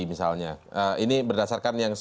misalnya ini berdasarkan